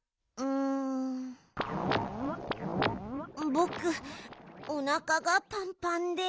ぼくおなかがパンパンで。